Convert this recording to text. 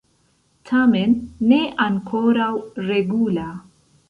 Tamen ne ankoraŭ regula.